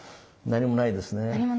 何もないです。